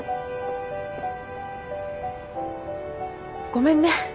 ごめんね。